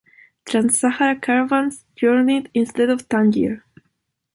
Trans-Sahara caravans journeyed instead to Tangier.